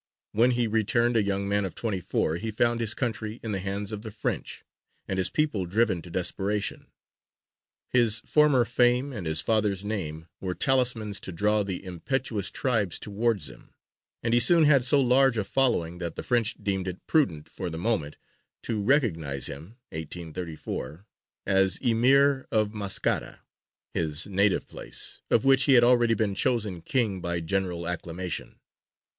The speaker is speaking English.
When he returned, a young man of twenty four, he found his country in the hands of the French, and his people driven to desperation. His former fame and his father's name were talismans to draw the impetuous tribes towards him; and he soon had so large a following that the French deemed it prudent for the moment to recognize him (1834) as Emīr of Maskara, his native place, of which he had already been chosen king by general acclamation.